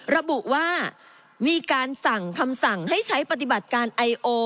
ระบุว่ามีการสั่งคำสั่งให้ใช้ปฏิบัติการไอโอ